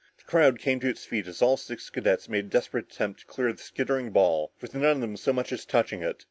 The crowd came to its feet as all six cadets made desperate attempts to clear the skittering ball with none of them so much as touching it.